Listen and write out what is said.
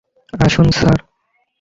আসুন, স্যার।